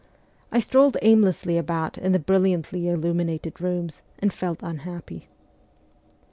I strolled aimlessly about in the brilliantly illuminated rooms, and felt unhappy.